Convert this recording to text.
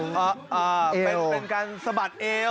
เป็นการสะบัดเอว